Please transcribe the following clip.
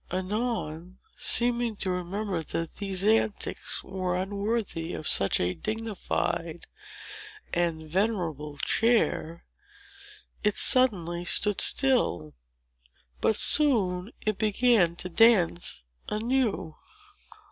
Anon, seeming to remember that these antics were unworthy of such a dignified and venerable chair, it suddenly stood still. But soon it began to dance anew.